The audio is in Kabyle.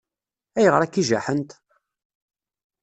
Ayɣer akka i jaḥent?